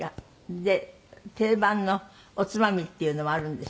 で定番のおつまみっていうのもあるんですって？